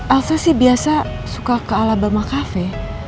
alva sih biasa suka ke alabama cafe